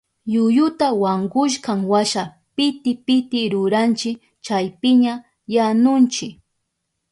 Yuyuta wankushkanwasha piti piti ruranchi chaypiña yanunchi.